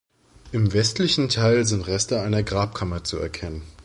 Im westlichen Teil sind Reste einer Grabkammer zu erkennen.